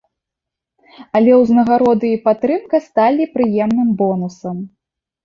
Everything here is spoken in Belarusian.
Але ўзнагароды і падтрымка сталі прыемным бонусам.